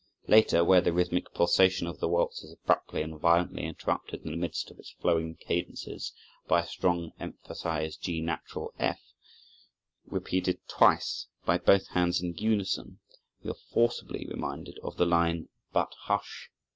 Later, where the rhythmic pulsation of the waltz is abruptly and violently interrupted in the midst of its flowing cadences, by a strong emphasized G natural F, repeated twice by both hands in unison, we are forcibly reminded of the line— "But hush!